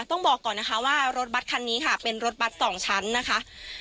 ต้องบอกก่อนนะคะว่ารถบัตรคันนี้ค่ะเป็นรถบัตรสองชั้นนะคะ